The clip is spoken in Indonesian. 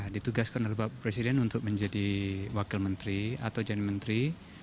ditugaskan oleh bapak presiden untuk menjadi wakil menteri atau jadi menteri